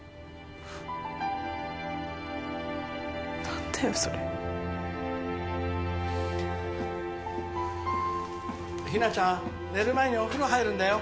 何だよそれひなちゃん寝る前にお風呂入るんだよ